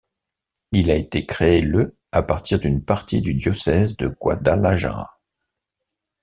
Il a été créé le à partir d'une partie du diocèse de Guadalajara.